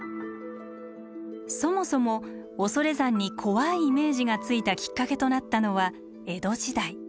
そもそも恐山に怖いイメージがついたきっかけとなったのは江戸時代。